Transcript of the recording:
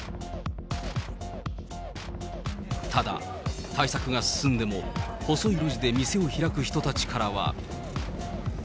ただ、対策が進んでも、細い路地で店を開く人たちからは。